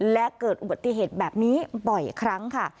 และเกิดอุบัติเหตุแบบนี้บ่อยครั้งค่ะ